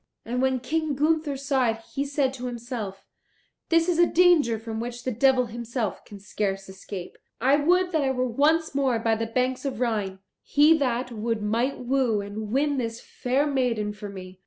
And when King Gunther saw it, he said to himself, "This is a danger from which the devil himself can scarce escape. I would that I were once more by the banks of Rhine; he that would might woo and win this fair maiden for me."